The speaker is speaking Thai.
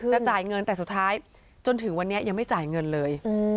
จ่ายเงินแต่สุดท้ายจนถึงวันนี้ยังไม่จ่ายเงินเลย